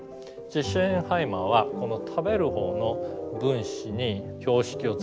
シェーンハイマーはこの食べるほうの分子に標識をつけた。